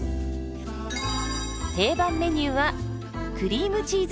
定番メニューはクリームチーズサーモン。